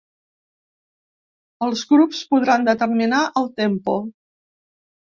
Els grups podran determinar el tempo.